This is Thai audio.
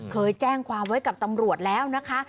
เคยแจ้งความไว้กับตำรวจแล้วนะคะ